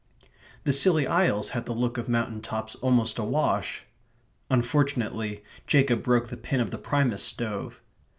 The Scilly Isles had the look of mountain tops almost a wash.... Unfortunately, Jacob broke the pin of the Primus stove.